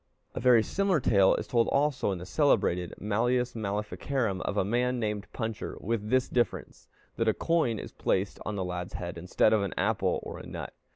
A very similar tale is told also in the celebrated Malleus Maleficarum of a man named Puncher, with this difference, that a coin is placed on the lad's head instead of an apple or a nut.